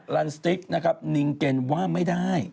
ลันสติ๊กนะครับนิงเก็นว่าไม่ได้